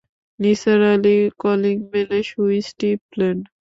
নিসার আলি কলিংবেলের সুইচ টিপলেন।